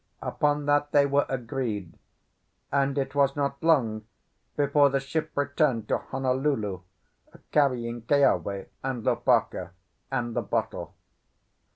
Upon that they were agreed, and it was not long before the ship returned to Honolulu, carrying Keawe and Lopaka, and the bottle.